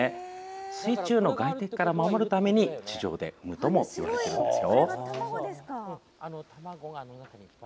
水中の外敵から守るために地上で産むといわれているんです。